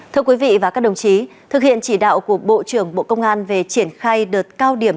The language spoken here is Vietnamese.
thưa quý vị và các đồng chí thực hiện chỉ đạo của bộ trưởng bộ công an về triển khai đợt cao điểm